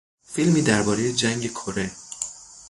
فیلمی دربارهی جنگ کره